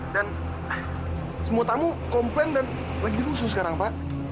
dan semua tamu komplain dan lagi rusuh sekarang pak